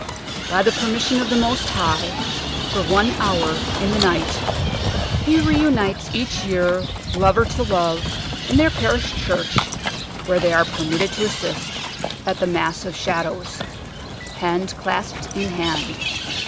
By the permission of the Most High, for one hour in the night, he reunites each year lover to loved in their parish church, where they are permitted to assist at the Mass of Shadows, hand clasped in hand.